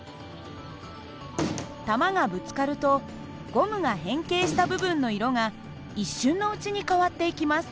球がぶつかるとゴムが変形した部分の色が一瞬のうちに変わっていきます。